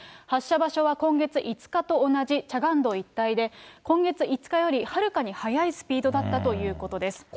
発射場所は今月５日と同じチャガン道一帯で今月５日より、はるかに速いスピードだったということです。